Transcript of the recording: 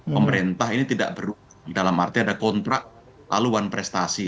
pemerintah ini tidak berulang dalam arti ada kontrak laluan prestasi